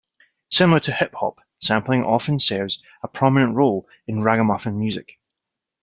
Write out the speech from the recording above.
Similar to hip hop, sampling often serves a prominent role in raggamuffin music.